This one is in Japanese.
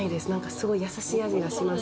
すごい優しい味がします。